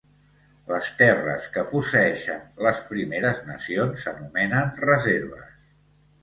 Les terres que posseeixen les Primeres Nacions s'anomenen reserves.